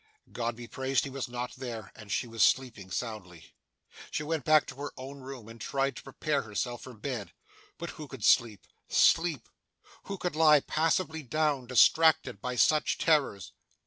God be praised! He was not there, and she was sleeping soundly. She went back to her own room, and tried to prepare herself for bed. But who could sleep sleep! who could lie passively down, distracted by such terrors?